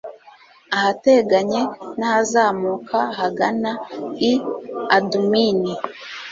ahateganye n'ahazamuka hagana i adumini